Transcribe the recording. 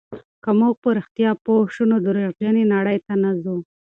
که موږ په رښتیا پوه شو، نو درواغجنې نړۍ ته نه ځو.